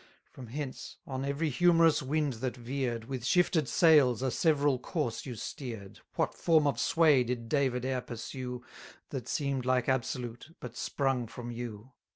From hence, on every humorous wind that veer'd, With shifted sails a several course you steer'd. What form of sway did David e'er pursue, That seem'd like absolute, but sprung from you?